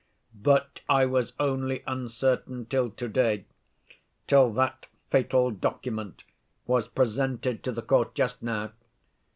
"But I was only uncertain till to‐day, till that fatal document was presented to the court just now.